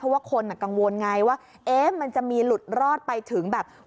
เพราะว่าคนกังวลไงว่ามันจะมีหลุดรอดไปถึงแบบ